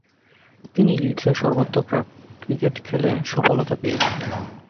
তিনি লিডসের সর্বত্র ক্লাব ক্রিকেটে সফলতা পেয়েছেন।